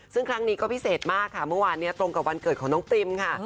ซึ่งครั้งนี้ก็พิเศษมากค่ะเมื่อวานนี้ตรงกับวันเกิดของน้องติมค่ะ